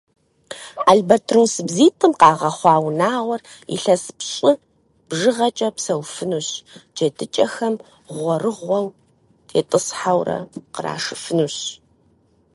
Альбэтрос бзитӀым къагъэхъуа унагъуэр илъэс пщӀы бжыгъэкӀэ псэуфынущ, джэдыкӀэхэм гъуэрыгъуэу тетӀысхьэурэ къырашыфынущ.